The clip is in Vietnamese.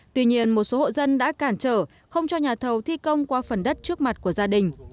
tuy nhiên một số hộ dân đã cản trở không cho nhà thầu thi công qua phần đất trước mặt của gia đình